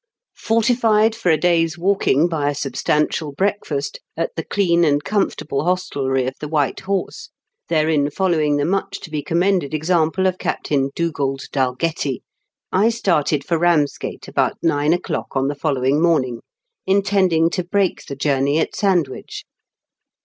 Fortified for a day's walking by a substantial breakfast at the clean and comfortable hostelry of The White Horse, therein following the much to be commended example of Captain Dugald Dalgetty, I started for Eamsgate about nine o'clock on the following morning, intend ing to break the journey at Sandwich.